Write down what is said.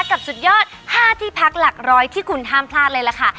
กับสุดยอด๕ที่พักหลักร้อยที่คุณห้ามพลาดเลยล่ะค่ะ